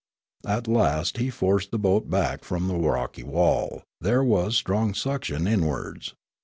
At last he forced the boat back from the rocky wall: there was strong suction inwards.